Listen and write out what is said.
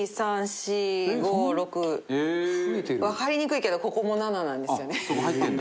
わかりにくいけどここも７なんですよね。